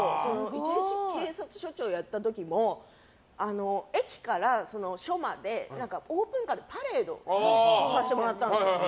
１日警察署長をやった時も駅から署までオープンカーでパレードをさせてもらったんです。